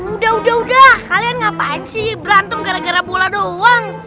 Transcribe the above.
udah udah udah kalian ngapain sih berantem gara gara bola doang